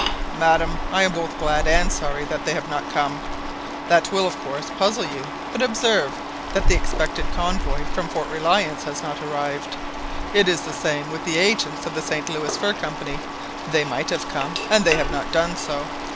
"Madam, I am both glad and sorry that they have not come; that will of course puzzle you. But observe that the expected convoy from Fort Reliance has not arrived. It is the same with. the agents of the St Louis Fur Company; they might have come, and they have not done so.